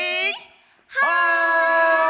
はい！